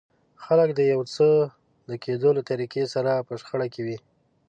خلک د يو څه د کېدو له طريقې سره په شخړه کې وي.